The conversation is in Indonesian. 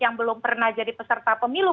yang belum pernah jadi peserta pemilu